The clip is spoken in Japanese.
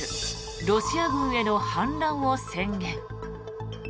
ロシア軍への反乱を宣言。